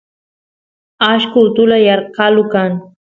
ashqo utula yarqalu kan